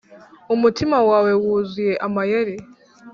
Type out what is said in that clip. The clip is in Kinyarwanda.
umutima wawe wuzuye amayeri